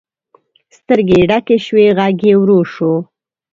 سترګې یې ډکې شوې، غږ یې ورو شو.